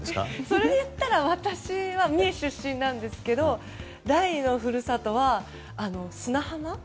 それで言ったら私は三重県出身なんですけども第２の故郷は砂浜。